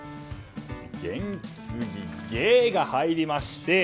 元気すぎ！の「ゲ」が入りまして